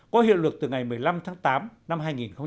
có hiệu luật từ ngày một mươi năm tháng tám năm hai nghìn một mươi sáu